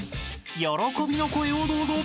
［喜びの声をどうぞ］